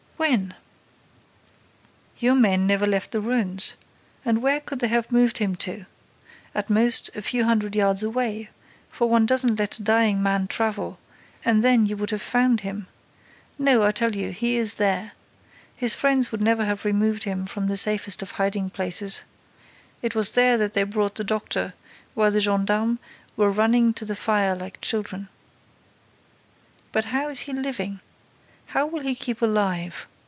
"When? Your men have never left the ruins. And where could they have moved him to? At most, a few hundred yards away, for one doesn't let a dying man travel—and then you would have found him. No, I tell you, he is there. His friends would never have removed him from the safest of hiding places. It was there that they brought the doctor, while the gendarmes were running to the fire like children." "But how is he living? How will he keep alive?